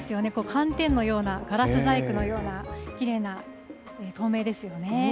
寒天のような、ガラス細工のような、きれいな透明ですよね。